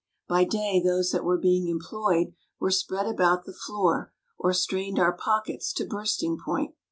By day those that were being employed were spread about the floor or strained our pockets to bursting point.